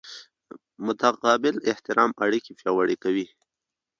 متقابل احترام اړیکې پیاوړې کوي.